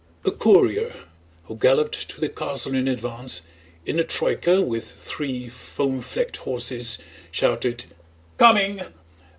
A courier who galloped to the castle in advance, in a troyka with three foam flecked horses, shouted "Coming!"